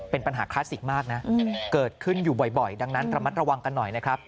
เป็นปัญหาคลาสสิกมากนะเกิดขึ้นอยู่บ่อยดังนั้นระมัดระวังกันหน่อยนะครับ